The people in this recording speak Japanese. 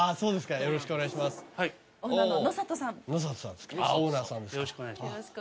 よろしくお願いします